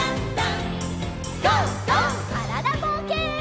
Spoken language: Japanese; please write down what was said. からだぼうけん。